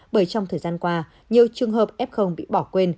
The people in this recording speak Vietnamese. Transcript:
bởi trong thời gian qua nhiều trường hợp f bị bỏ quên